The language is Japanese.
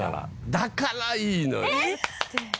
だからいいのよ。